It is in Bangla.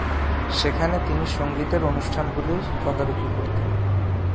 সেখানে তিনি সংগীতের অনুষ্ঠানগুলির তদারকি করতেন।